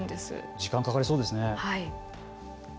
時間かかりそうですね。